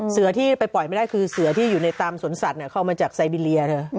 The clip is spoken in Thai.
เสือที่ไปปล่อยไม่ได้คือเสือที่อยู่ในตามสวนสัตว์เข้ามาจากไซบีเรียน